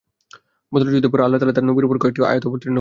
বদরের যুদ্ধের পর আল্লাহ তাআলা তাঁর নবীর উপর কয়েকটি আয়াত অবতীর্ণ করলেন।